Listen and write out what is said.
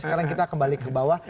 sekarang kita kembali ke bawah